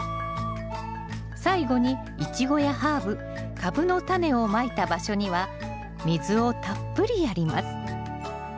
最後にイチゴやハーブカブのタネをまいた場所には水をたっぷりやります。